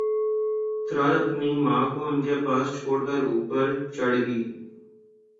طلعت اپنی ماں کو ان کے پاس چھوڑ کر اوپر چڑھ گئی